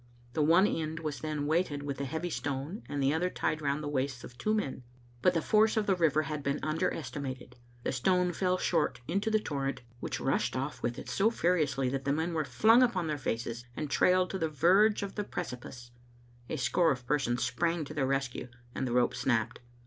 The one end was then weighted with a heavy stone, and the other tied round the waists of two men. But the force of the river had been under estimated. The stone fell short into the torrent, which rushed off with it so furiously that the men were flung upon their faces and trailed to the verge of the preci pice. A score of persons sprang to their rescue, and the rope snapped.